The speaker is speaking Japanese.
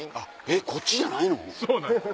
えっこっちじゃないの？